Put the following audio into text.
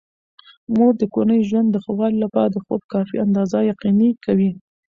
مور د کورني ژوند د ښه والي لپاره د خوب کافي اندازه یقیني کوي.